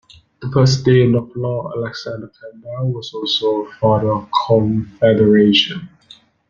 The first Dean of Law, Alexander Campbell, was also a "Father of Confederation".